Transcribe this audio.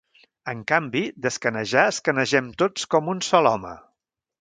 En canvi, d'escanejar escanegem tots com un sol home.